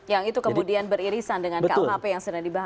yang itu kemudian beririsan dengan kmap yang sering dibahas